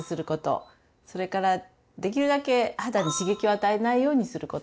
それからできるだけ肌に刺激を与えないようにすること。